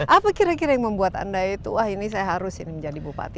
apa kira kira yang membuat anda itu wah ini saya harus ini menjadi bupati